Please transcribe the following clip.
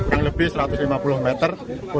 kurang lebih satu ratus lima puluh meter